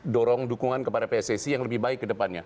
dorong dukungan kepada pssi yang lebih baik ke depannya